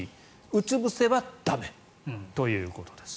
うつぶせは駄目ということです。